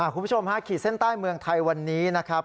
คุณผู้ชมฮะขีดเส้นใต้เมืองไทยวันนี้นะครับ